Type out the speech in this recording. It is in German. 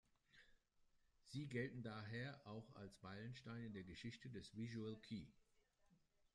Sie gelten daher auch als Meilenstein in der Geschichte des Visual Kei.